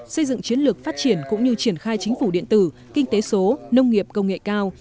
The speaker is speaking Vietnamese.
xây dựng chiến lược phát triển cũng như triển khai chính phủ điện tử kinh tế số nông nghiệp công nghệ cao